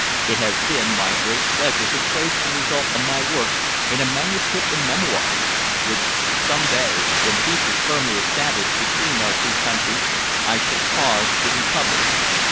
It has been my great pleasure to trace the result of my work in a manuscript of memoirs, which some day, when peace is firmly established between our two countries, I shall cause to be published.